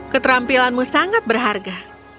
keterampilanmu sangat berharga